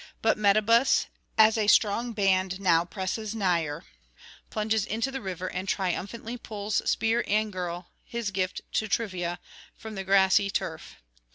But Metabus, as a strong band now presses nigher, plunges into the river, and triumphantly pulls spear and girl, his gift to Trivia, from the grassy turf.